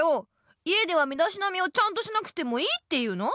家ではみだしなみをちゃんとしなくてもいいっていうの？